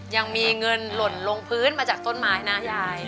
ยังมีเงินหล่นลงพื้นมาจากต้นไม้นะยาย